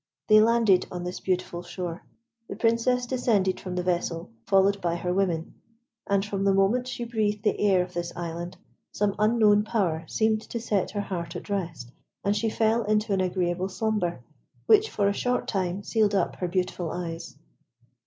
They landed on this beautiful shore. The Princess descended from the vessel, followed by her women, and from the moment she breathed the air of this island, some unknown power seemed to set her heart at rest, and she fell into an agreeable slumber, which for a short time sealed up her beautiful eyes.